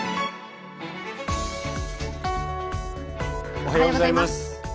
おはようございます。